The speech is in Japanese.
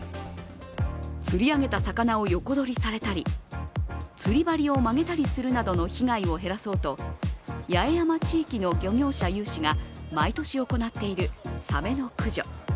釣り上げた魚を横取りされたり、釣り針を曲げたりするなどの被害を減らそうと八重山地域の漁業者有志が毎年行っているサメの駆除。